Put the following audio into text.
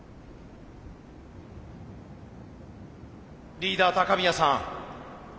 リーダー高宮さん。